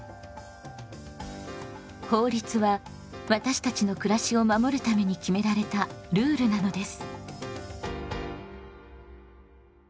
法律は私たちの暮らしを守るために決められたルールなのです。